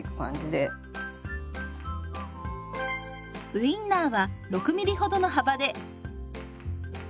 ウインナーは６ミリ程の幅で。